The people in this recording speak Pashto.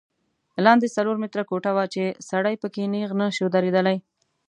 لاندې څلور متره کوټه وه چې سړی په کې نیغ نه شو درېدلی.